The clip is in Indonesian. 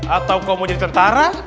atau mau jadi tentara